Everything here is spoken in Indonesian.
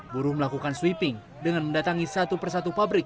buruh melakukan sweeping dengan mendatangi satu persatu pabrik